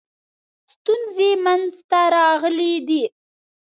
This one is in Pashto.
ستونزې منځته راغلي دي.